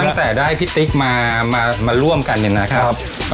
ตั้งแต่ได้พี่ติ๊กมาร่วมกันเนี่ยนะครับ